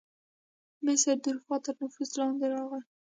مصر د اروپا تر نفوذ لاندې راغی.